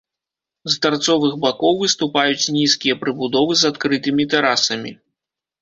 З тарцовых бакоў выступаюць нізкія прыбудовы з адкрытымі тэрасамі.